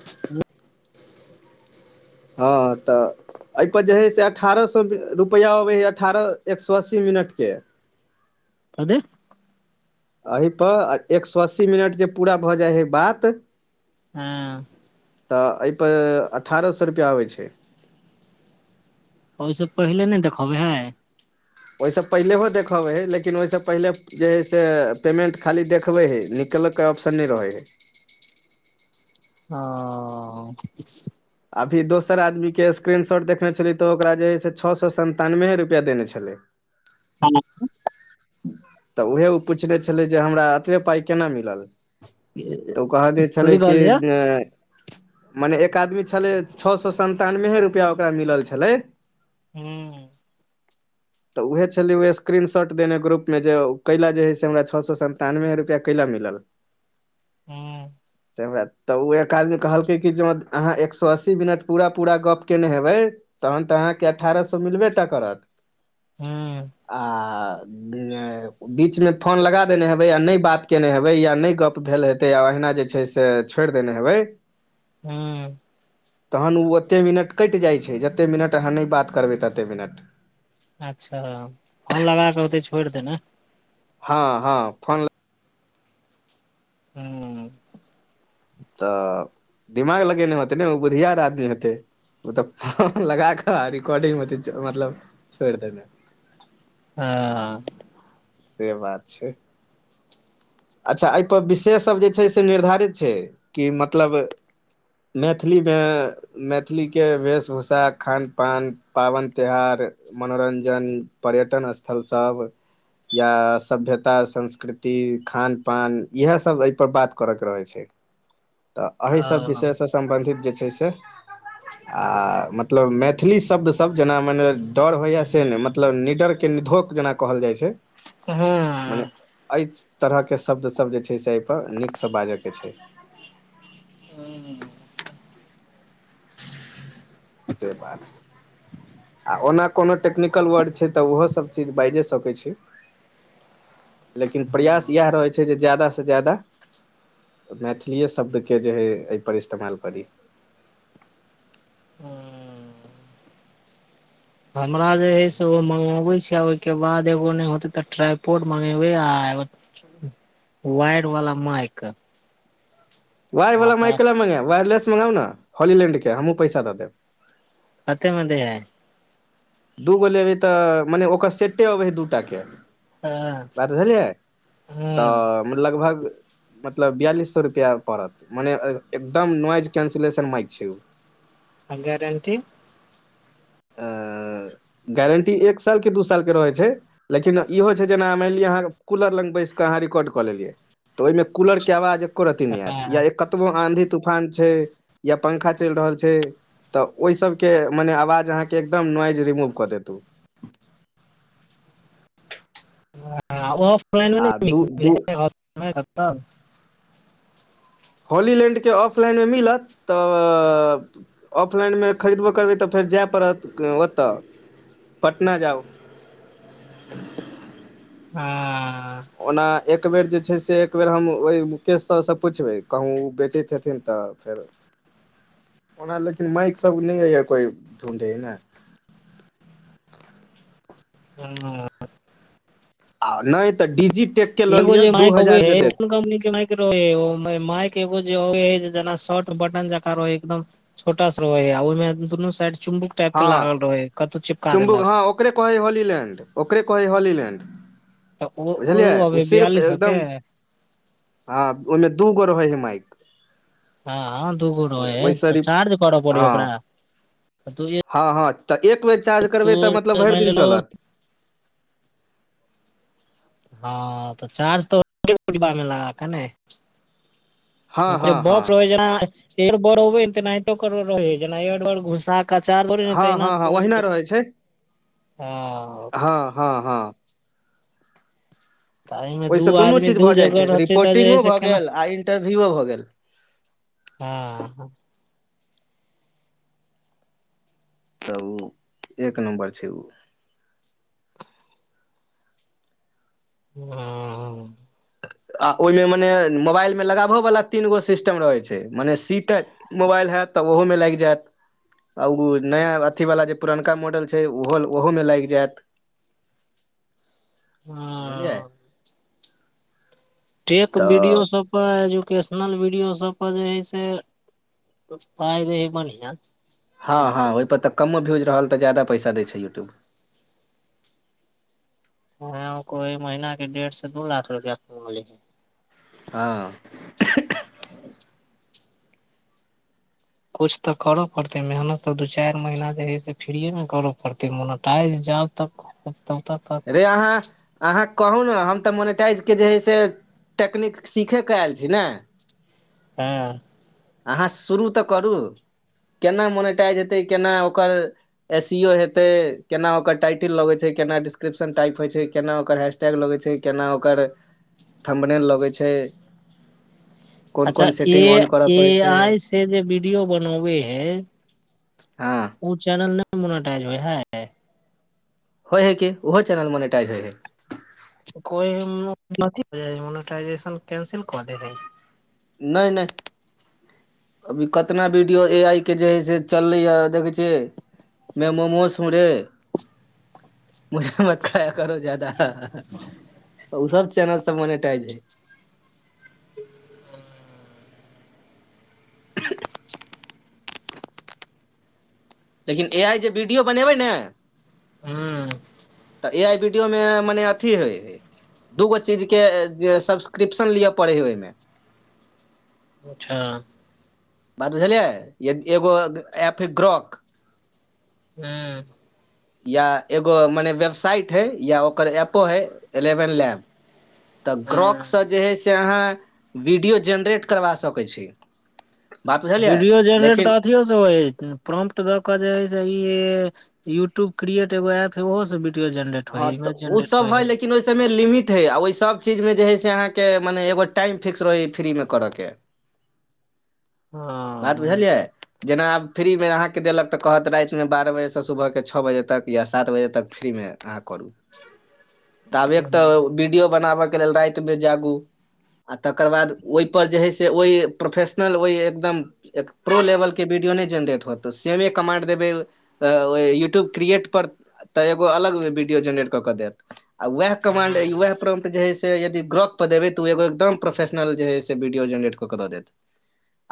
[unintelligible] हँ तऽ एहिपर जे हइ से अठारह सए रुपैआ अबै हइ अठारह एक सए अस्सी मिनटके। कथी? एहीप एक सए अस्सी मिनट जे पूरा भऽ जाइ हइ बात हँ तऽ एहिपर अठारह सए रुपैआ आबै छैय। ओहिसँ पहिले नहि देखबै हय? ओहिस पहिलहो देखबै हय लेकिन ओहिस पहिले जे हय से पेमेंट खाली देखबै हय निकलत क ऑप्शन नहि रहय हय। हँ अभी दोसर आदमीके स्क्रीनशॉट देखने छलियै तऽ ओकरा जे हइ से छओ सए सन्तानवे रुपैआ देने छलै। [unintelligible] तऽ उहे ओ पुछनेे छलै जे हमरा एतबे पाइ केना मिललया? तऽ ओ कहब जे छलै कथी कि कहलियै जे मने एक आदमी छलै छओ सए सन्तानब रुपैआ ओकरा मिलल छलै। हू तऽ उएह छलैय स्क्रीनशॉट देने ग्रुपमे जे कैला जे हइ से हमरा छओ सए सन्तानबे रुपैआ कैला मिलल? हूँ त वैह तऽ ओ एक आदमी कहलकै कि जे अहाँ एक सए अस्सी मिनट पूरा पूरा गप केने हेबै तहन तऽ अहाँके अठारह सए मिलबेटा करत। हू आ [unintelligible] बीचमे फोन लगा देने हेबै आ नहि बात केयने हेबै या नहि गप्प भेल हेतै आ अहिना जे छै से छोड़ि देने हेबै हूँ तखन ओ ओतेक मिनट कटि जाइत छै जतेक मिनट अहाँ नहि बात करबै ततेक मिनट अच्छा फोन लगा कऽ होते छोड़ि देने हँ हँ फोन ल हुँ तऽ दिमाग लगेने होतै ने ओ बुद्धियार आदमी हेतै फोन लगााक रिकॉर्डिंग मे मतलब हेतै छोड़ देने हँ से बात छै अच्छा एहिपर विशेष सब जे छै से निर्धारित छै कि मतलब मैथिलीमे मैथिलीके वेशभूषा खान पान पाबैन तिहार मनोरंजन पर्यटन स्थलसभ या सभ्यता संस्कृति खान पान इएह सब एहिपर बात करय के रहै छै तऽ एहीसभ हँ विषयसँ सम्बन्धित जे छै से आ मतलब मैथिली शब्दसभ जेना माने डर होइए से नहि मतलब निडरके निधोक जेना कहल जाइ छै हुँ मने एहि तरहके शब्दसभ जे छै से एहिपर नीकसँ बाजयके छै [inaudible] से बात आ ओना कोनो टेक्निकल वर्ड छै तऽ ओहोसभ चीज बाइजे सकै छी लेकिन प्रयास येह रहै छै जादा से जादा मैथिलीए शब्द के जे हय एहि पर इस्तेमाल करी हमरा जे हइ से ओ मगाबै छै आ ओहिके बाद एगो नहि होतै तऽ ट्राइपोर्ट मगेबै आ वायर वलाा माइक वायर वला ओकरा माइक ल मंगाएब वायरेस मंगाउ नऽ होलीलैड के हमहू पैसा दऽ देब कते म दैय हई दू गो लेबै तऽ मने ओकर सेटे अबै हइ दूटा के हँ बात बुझलियै हूँ तऽ लगभग मतलब बियालिस सए रुपआ पड़त मने एकदम नोइज कैंसिलेशन माइक छै आ गारंटी गारन्टी एक साल कि दू सालके रहै छै लेकिन इहो छै जेना मायन लिअ अहाँ कूलर लग बैस कऽ अहाँ रिकॉर्ड कऽ लेलियै तऽ ओहिमे कूलर के आवाज एको रती नहि हँ आयत या कतबो आँधि तूफान छै या पंखा चयल रहल छै त ओहि सब के मने आवज आहाँ की एकदम नोवाज रिमूव क देते उ आ दू दू [unintelligible] होली लैंडके ऑफलाइनमे मिलत तऽ ऑफलाइनमे खरीदबो करबै तऽ फेर जाय पड़त ओतय पटना जाउ हँ ओना एकबेर जे छै से एकबेर हम ओहि मुकेश सबसँ पुछबै कहूँ ओ बेचै छथिन तऽ फेर ओना लेकिन माइक सब नहि य कोई ढूँढ़े न हूँ आ नइ तऽ डिजिटेक एगो जे माइक ओ कोन कम्पनी के माइक मइक ए जे जे शॉर्ट बटन जकाँ एकदम माइक ए जे जे छोट सा शॉर्ट बटन जकाँ रहै, ओहिमे दुनू साइड चुम्बक जकाँ हँ लागल रहै हय, कतहु चिपका चुम्बुक देलक। हँ ओकरे कहै हँ, होलीलैण्ड, ओकरे कहै हँ होलीलैण्ड। तऽ ओ बुझलियै, ओ अबै सिर्फ बियालिस सौ के एकदम हँ, ओहिमे दू गो रहै छै, माइक। हँ, दूगो रहै छै ओहिसँ तऽ चार्ज करऽ पड़ै हँ ओकरा। हँ हँ, तऽ एक बेर चार्ज तू करबै तऽ मतलब भरि माइन दिन लेलहो चलत। हँ, तऽ चार्ज तऽ बा लऽ कऽ ने। हँ हँ हँ बॉक्स हो छै। एर बड़ तऽ नहि तो कर, जेना एर बड़ घुसाक। चार्जर हँ तहिना हँ हँ ओहिना तऽ रहै छै हँ। हँ हँ हँ तऽ एहिमे दू ओहिसँ दुनू आदमी चीज दू भऽ जाइ जगह छै रहतै तऽ जे रिपोर्टिंगो से भऽ केना? गेल आ इंटरव्यूओ भऽ गेल हँ तऽ ओ एक नम्बर छै ओ। ह आ ओहिमे, मने मोबाइलमे लगाबयवाला तीन गो सिस्टम रहैत छै, मने सीट। मोबाइल होयत तऽ ओहोमे लागि जायत। आ ओ नया अथीवाला, जे पुरनका मॉडल छै, ओहो ओहोमे लागि जायत। [inaudible] हँ बुझलियै टेक वीडियो तऽ सभ पर एजुकेशनल वीडियो सभपर जे छै से पाइ दै हइ, बढ़िया। हँ हँ, यूट्यूब ओहिपर तऽ कमो भ्यूज रहल तऽ जादा पैसा दै छै यूट्यूब। हँ, कोनो कोनो महिना डेढ़सँ दू लाख रुपैया कऽ। हँ किछु तऽ करऽ पड़तै, मेहनत तऽ दू चारि महीना जे हइ से फ्रीमे करऽ पड़तै, मोनेटाइज जाउ तऽ। तब तक तक रे, अहाँ अहाँ कहू ने, हम तऽ मोनेटाइजके जे हइ से। टेकनीक सीखयके आयल छी ने। हँ अहाँ शुरू तऽ करू ने, केना मोनेटाइज हेतै, केना ओकरा एहिसँ हेते केना, ओकर टाइटल लगे छै, केना डिस्क्रिप्शन टाइप होइ छै, केना ओकर हे? कऽ लगे छै, केना ओकर थम्बनेल लेल लगै छै? कोन अच्छा कोन सेटिंग ऑन करऽ पड़ै य छै आइ से जे वीडियो बनबै हइ। हँ ओ चैनल नहि मोनेटाइज होइ छै। होइ छै कि ओहो चैनल मोनेटाइज होइ छै? कोइ होइ मोनेटाइज कंसिल कऽ दे रह [unintelligible] नहि नहि अभी कतना वीडियो, ई आजके जे छै, से चललैए देखै छियै। में मोमो ह रे, मुझे मत खाया करो ज़्यादा। ओ सभ चैनल सभ मोनेटाइज छै। लेकिन ए आइ जे वीडियो बनबै ने हँ तऽ ए आई बीडीयोमे मने अथी हइ दू गो चीजके जे सब्सक्रिप्शन लऽ पड़ै हइ, ओहिमे। अच्छा बात बुझियै, एगो ऐप ग्राक। हँ या एगो मने वेबसाइट हइ या ओकर एपो हइ एलेवन लैब तऽ हूं ग्रॉकसँ जे हइ से अहाँ वीडियो जेनरेट करबा सकै छी बात बुझलियै रेडियो जनरेट लेकिन तऽ अथियो से होइ हइ प्रॉम्प्ट दऽ जेहै से ई यूट्यूब क्रिएट एगो एप हइ ओहु से बिड हँ तऽ ओ सब हइ लेकिन ओहि सबमे लिमिट हइ आ ओहि सभ चीजमे जे हइ से अहाँके मने एगो टाइम फिक्स रहै है फ्रीमे करऽ के हँ बात हूं बुझलियै जेना आब फ्रीमे अहाँके देलक तऽ कहत रातिमे बारह बजेसँ सुबहके छओ बजे तक या सात बजे तक फ्रीमे अहँ करू तब हूं एक तऽ वीडियो बनाबयके लेल रातिमे जागू आ तकर बाद ओहिपर जे हइ से ओइ प्रोफेशनल होइ एकदम एक प्रो लेवल के वीडियो नहि जेनरेट होत तऽ सेमे कमांड देबै तऽ युट्यूब क्रिएट पर तऽ एगो अलग वीडियो जेनरेट कऽ कऽ देत आ वएह कमान्ड‌ आ वएह प्रॉम्प्ट जे है से यदि ग्रॉक पर देबै तऽ ओ एगो एकदम प्रोफेशनल जे हइ से वीडियो जेनरेट कऽ कऽ दऽ देत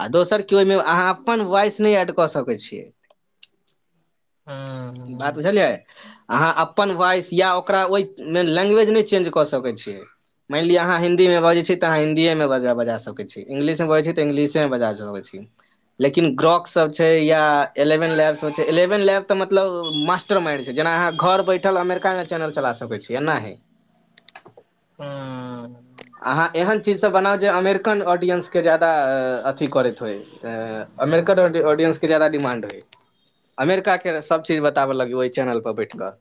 आ दोसर ओहिमे अहाँ अपन वॉइस नहि एड कऽ सकै छियै बात बुझलियै अहाँ अपन वॉइस या ओकरा ओहि मेन लैंग्वेज नहि चेंज कऽ सकैत छियै मानि लिय आहाँ हिन्दी मे बजै छी तऽ आहाँ हिन्दीये मे बज बजा सकै छी इंगलिशमे बजै छी तऽ इंगलिशेमे बजा सकै छी लेकिन ग्रॉक सब छै या एलेवेन लैब सब छै एलेवेन लैब तऽ मतलब मास्ट र मैन छै जेना अहाँ घर बैठल अमेरिका मे चैनल चला सकै छी एना हइ। ओ [unintelligible] अहाँ एहन चीज सब बनाउ जे अमेरिकन ऑडियंस के जादा अथी करैत होइ अमेरिकन ऑडियंस के ज्यादा डिमांड होए अमेरिकाके सभ चीज बताबऽ लगियौ ओहि चैनल पर बैठ कऽ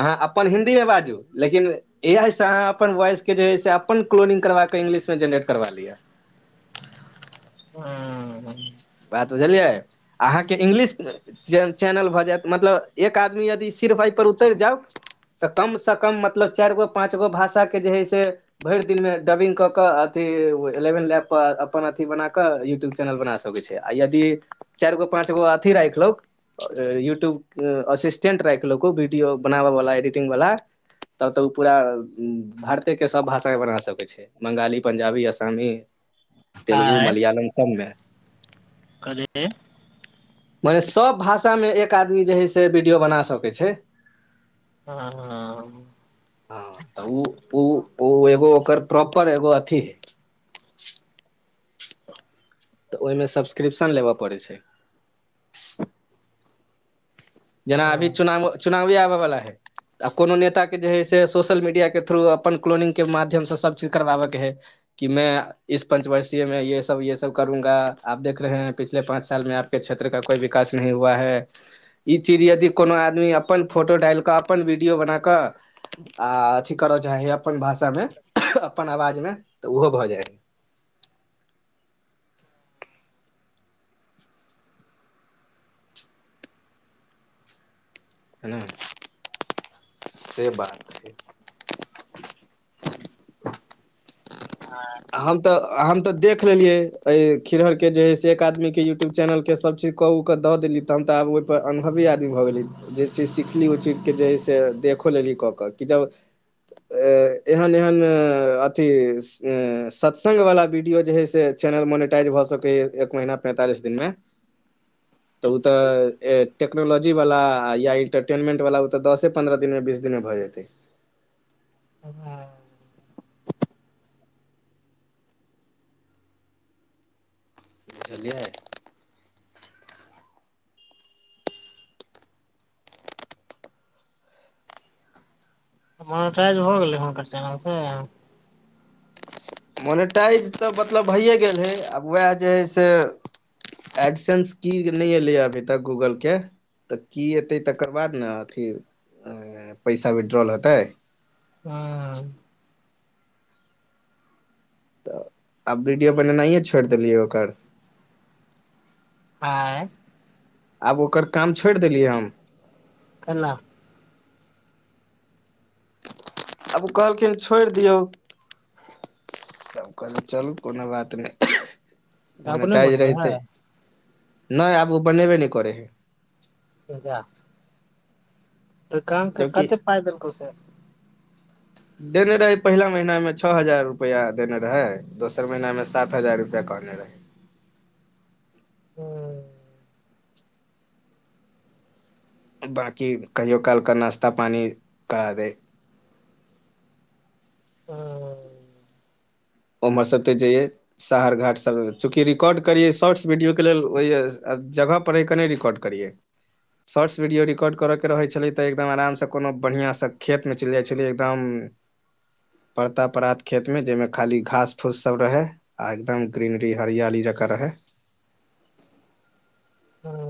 आहाँ अपन हिन्दीमे बाजू लेकिन ए आई सँ आहाँ अपन वॉइसके जे है से अपन क्लोनिंग करबा कऽ इंग्लिश मे जेनरेट करबा लिय ओ [unintelligible] बात बुझलियै आहाँके इंग्लिश चन चैनल भऽ जायत मतलब एक आदमी यदि सिर्फ एहिपर उतरि जाउ तऽ कमसँ कम मतलब चारिगो पाँच गो भाषा के जे हइ से भर दिन मे डबिंग कऽ के अथी एलेवेन लेब पर अपन अथी बना के यूट्यूब चैनल बना सकै छै आ यदि चारि गो पाँच गो अथी राखिलौ यूट्यूब असिस्टेंट राखिलौ कोइ वीडियो बनाबय वाला एडिटिंग वाला तब तऽ उ पूरा भारते के सभ भाषामे बना सकैत छै बंगाली पंजाबी असामी तेलुगु आँय मलयालम सबमे कथी [unintelligible] मने सब भाषा मे एक आदमी जे है से वीडियो बना सकै छै ओ [unintelligible] हँ तऽ उ उ उ एगो ओकर प्रॉपर एगो अथी हइ तऽ ओहिमे सब्सक्रिप्शन लेबय पड़ै छै जेना अभी चुनाव चुनावी आबय वाला है आ कोनो नेताके जे हइ से सोशल मीडियाके थ्रू अपन क्लोनिंगके माध्यमसँ सभचीज करबाबयके हइ कि मैं इस पञ्चवर्षीय में ये सब ये सब करूंगा आप देख रहे हैं पिछले पाँच साल मे आप के क्षेत्र का कोइ विकास नहीं हुआ है ई चीज यदि कोनो आदमी अपन फोटो डालि कऽ अपन वीडियो बन कऽ आ अथी करय चाहै हइ अपन भाषामे अपन आवाजमे तऽ ओहो भऽ जाय हय हूंम्म से बात हय हँ हम तऽ देख लेलियै, एहि खिरहरके जे हइ से एक आदमीके यूट्यूब चैनलके सभ चीज। कऽ उकऽ दऽ देली तऽ हम तऽ आब ओहिपर अनुभवी आदमी भऽ गेली। जे चीज सिखली, ओहि चीजके जे हइ से देखो लेली कऽ कऽ की जब। एहन एहन अथी। सत्संगवाला वीडियो जे हइ से चैनल मोनेटाइज भऽ सकै ह एक महीना पैंतालीस दिनमे? [inaudible] तऽ ओ तऽ टेक्नोलॉजीवाला या एंटरटेनमेंटवाला, ओ तऽ दस पन्द्रह दिनमे, बीस दिनमे भऽ जेतै। हूँ बुझलियै? मोनेटाइज भऽ गेलै हुनकर चैनल से। मोनेटाइज तऽ मतलब भइए गेल हइ, आब उएह जे हइ से। एक्सेस की नहि एलै अभी तक गूगलके? तऽ की एतै? तकर बाद ने अथी पैसा विड्रॉल हेतै? हँ तऽ आब वीडियो बनेनाइ छोड़ि देलियै ओकर। आइ आब ओकर काम छोड़ि देलियै हम। काएल आब ओ कहलखिन, छोड़ि दियौ। तब कहली, चलू, कोनो बात नहि, तऽ अपने मोनेटाइज बनबै रहितै। है नहि, आब ओ बनेबे नहि करै हइ। किया तऽ कामके जबकि कते पाइ देलकौ से? देने रहे, पहिला महीनामे छः हजार रुपैया देने रहे, दोसर महीनामे सात हजार रुपैया कहने रहे। हू बाँकी कहियो काल कऽ नाश्ता पानी करा दै। ह ओम्हरसे जाइए। शहर घाट सभ चूँकि रिकॉर्ड करिए शॉर्ट्स वीडियोके लेल, ओहि जगहपर हे कि नहि रिकॉर्ड? करिए। शॉर्ट्स वीडियो रिकॉर्ड करऽ के रहै छलै तऽ एकदम आरामसँ कोनो बढ़िआँ सँ खेतमे चलि जाइ छलियै, एकदम। पड़ता पड़ात खेतमे जाहिमे। खाली घास फूस सभ रहै आ एकदम ग्रीनरी, हरियाली जकाँ रहै। हँ